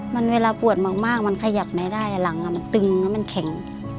มันเวลาปวดมากมันขยับไหนได้หลังมันตึงแล้วมันแข็ง